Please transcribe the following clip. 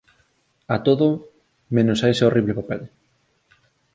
A todo menos a ese horrible papel.